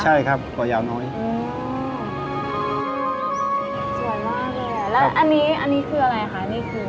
ใช่ครับเกาะยาวน้อยอือสวยมากเลยแล้วอันนี้อันนี้คืออะไรค่ะ